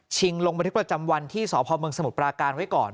ลงบันทึกประจำวันที่สพเมืองสมุทรปราการไว้ก่อน